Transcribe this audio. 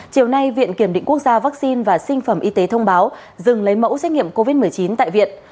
chiều nay viện kiểm định quốc gia vaccine và sinh phẩm y tế thông báo dừng lấy mẫu xét nghiệm covid một mươi chín tại viện